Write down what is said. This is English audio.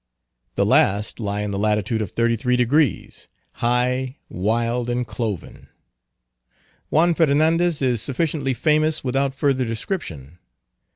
The last lie in the latitude of 33°; high, wild and cloven. Juan Fernandez is sufficiently famous without further description.